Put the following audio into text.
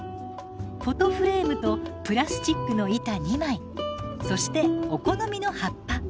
フォトフレームとプラスチックの板２枚そしてお好みの葉っぱ。